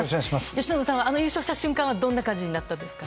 由伸さんは優勝した瞬間はどんな感じになったんですか？